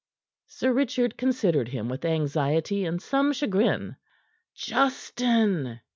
Sir Richard considered him with anxiety and some chagrin. "Justin!"